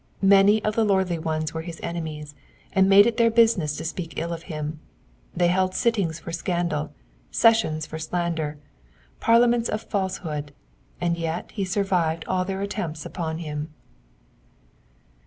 Many of the lordly ones were his enemies, and made it their busi ness to speak ill of him ; they held sittings for scandal, sessions for slander, parliaments of falsehood, and yet he survived all their attempts upon him.